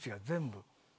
全部。